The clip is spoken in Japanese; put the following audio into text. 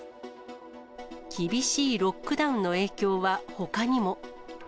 厳しいロックダウンの影響はほかにも。